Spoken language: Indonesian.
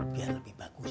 biar lebih bagus